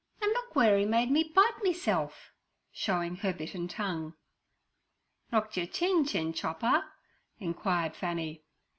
'An' look w'ere 'e made me bite meself' showing her bitten tongue. 'Knocked yer chin, chin chopper?' inquired Fanny.